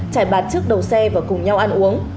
trải bạt trước đầu xe và cùng nhau ăn uống